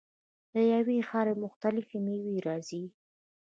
له یوې خاورې مختلفې میوې راځي.